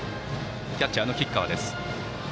キャッチャーの吉川です。